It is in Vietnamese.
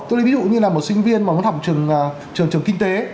tôi đi ví dụ như là một sinh viên mà muốn học trường kinh tế